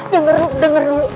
dengar dulu denger dulu